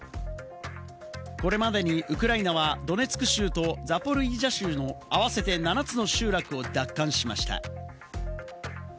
これまでにウクライナはドネツク州とザポリージャ州の合わせて７つの集落を奪還しました。